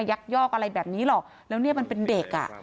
ยอกอะไรแบบนี้หรอกแล้วนี่มันเป็นเด็ก